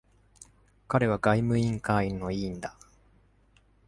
彼は外務委員会の委員だ。